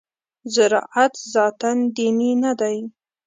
زراعت ذاتاً دیني نه دی.